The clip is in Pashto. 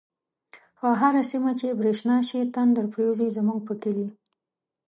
په هره سیمه چی برشنا شی، تندر پریوزی زمونږ په کلی